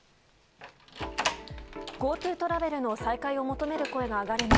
ＧｏＴｏトラベルの再開を求める声が上がる中